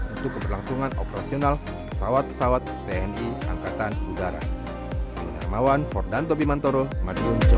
untuk keberlangsungan operasional pesawat pesawat tni angkatan udara